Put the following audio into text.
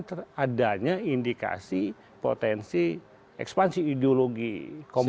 teradanya indikasi potensi ekspansi ideologi komunis